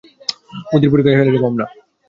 বুদ্ধির পরীক্ষায় হেরে যাব আমরা।